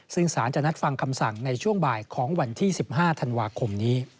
ซึ่งสารจะนัดฟังคำสั่งในช่วงบ่ายของวันที่๑๕ธันวาคมนี้